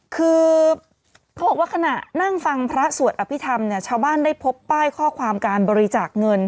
คือเขาบอกว่าขณะนั่งฟังพระสวดอภิษฐรรมเนี่ยชาวบ้านได้พบป้ายข้อความการบริจาคเงิน